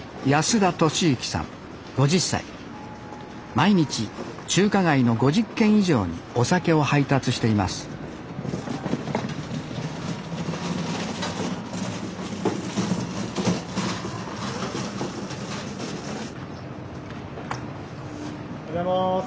毎日中華街の５０件以上にお酒を配達していますおはようございます。